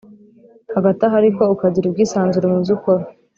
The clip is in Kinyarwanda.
hagati aho ariko ukagira ubwisanzure mubyo ukora